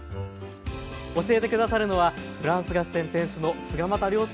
教えて下さるのはフランス菓子店店主の菅又亮輔さんです。